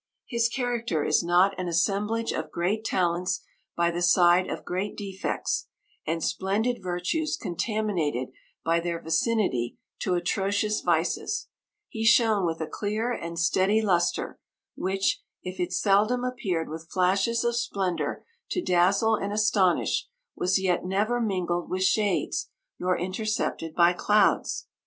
His character is not an assemblage of great talents by the side of great defects, and splendid virtues contaminated by their vicinity to atrocious vices: he shone with a clear and steady lustre, which, if it seldom appeared with flashes of splendour to dazzle and astonish, was yet never mingled with shades, nor intercepted by clouds.